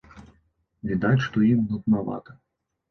Відаць, што ім нуднавата.